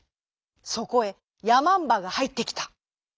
そこへやまんばがはいってきた。